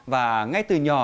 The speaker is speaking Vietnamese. và ngay từ nhỏ